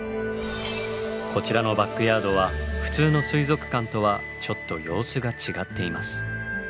こちらのバックヤードは普通の水族館とはちょっと様子が違っています。